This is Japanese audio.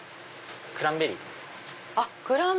クランベリーですね。